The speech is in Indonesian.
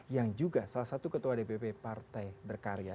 yang juga salah satu ketua dpp partai berkarya